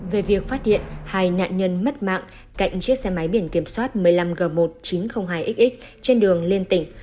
về việc phát hiện hai nạn nhân mất mạng cạnh chiếc xe máy biển kiểm soát một mươi năm g một nghìn chín trăm linh hai x trên đường liên tỉnh